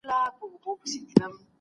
خپلوانو ته زندان وي